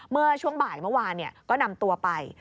เมื่อช่วงบ่ายเมื่อวานก็นำตัวไป